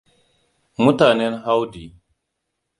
Mutanen Howdy.